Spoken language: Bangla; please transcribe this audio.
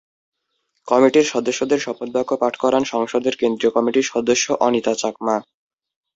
কমিটির সদস্যদের শপথবাক্য পাঠ করান সংগঠনের কেন্দ্রীয় কমিটির সদস্য অনিতা চাকমা।